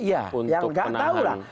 ya yang nggak tahu lah